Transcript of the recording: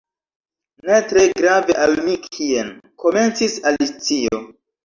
"Ne tre grave al mi kien—" komencis Alicio.